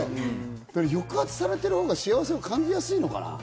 抑圧されているほうが幸せが感じやすいのかな？